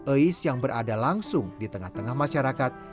ais yang berada langsung di tengah tengah masyarakat